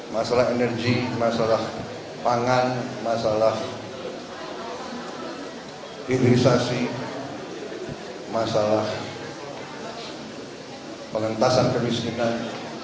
masalah energi masalah pangan masalah hilirisasi masalah pengentasan kemiskinan